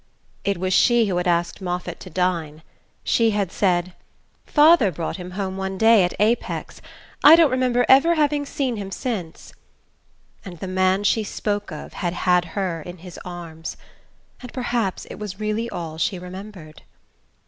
It was she who had asked Moffatt to dine. She had said: "Father brought him home one day at Apex.... I don't remember ever having seen him since" and the man she spoke of had had her in his arms ... and perhaps it was really all she remembered!